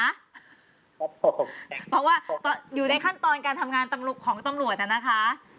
เพราะว่าอยู่ในขั้นตอนการทำงานของตำรวจน่ะนะคะ